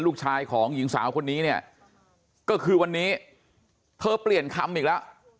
ลูกชายของหญิงสาวคนนี้เนี่ยก็คือวันนี้เธอเปลี่ยนคำอีกแล้ว